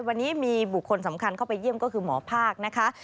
วันนี้มีบุคคลสำคัญเข้าไปเยี่ยมก็คือหมอภาคนะคะ